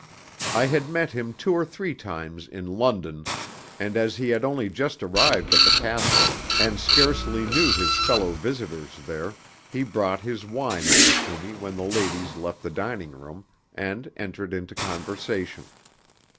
I had met him two or three times in London, and as he had only just arrived at the castle, and scarcely knew his fellow visitors there, he brought his wine over to me when the ladies left the dining room, and entered into conversation.